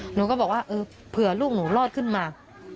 หนูก็บอกว่าเออเผื่อลูกหนูรอดขึ้นมา